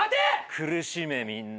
苦しめみんな。